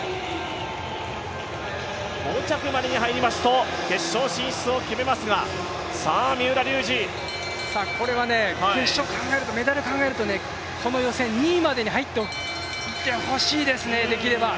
５着までに入りますと決勝進出を決めますが、さあ三浦龍司。これは決勝考えると、メダル考えるとこの予選２位までに入っておきたいですね、できれば。